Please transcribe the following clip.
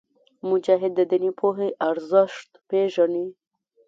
مجاهد د دیني پوهې ارزښت پېژني.